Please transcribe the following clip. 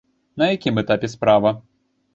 На якім этапе справа?